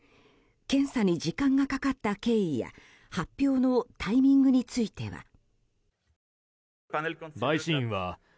検査に時間がかかった経緯や発表のタイミングについては。